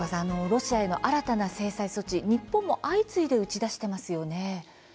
ロシアへの新たな制裁措置日本も、相次いで打ち出してますよね。